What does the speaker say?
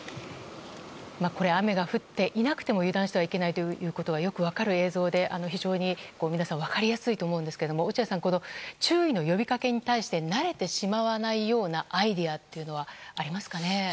これ、雨が降っていなくても油断してはいけないということがよく分かる映像で非常に皆さん分かりやすいと思うんですが落合さん、注意の呼びかけに対して慣れてしまわないようなアイデアというのはありますかね？